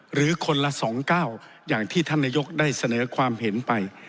หรือคนละ๒๙อย่างที่ท่านนายกได้เสนอความเห็นไป